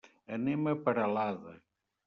Anem a Peralada.